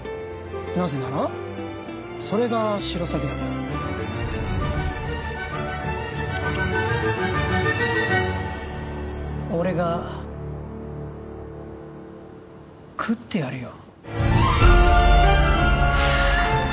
なぜならそれがシロサギだから俺が喰ってやるよ